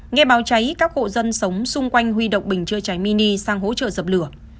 nghe báo cháy các hộ dân sống xung quanh huy động bình chữa cháy mini sang hỗ trợ dập lửa